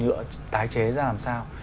nhựa tái chế ra làm sao